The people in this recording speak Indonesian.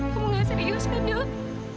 kamu nggak serius kan dok